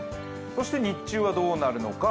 そして日中はどうなるのか。